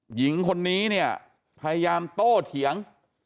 หญิงคนนี้เนี่ยพยายามโต้เถียง